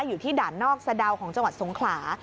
อยู่ที่ด่านนอกสะดาวของจังหวัดสงขลา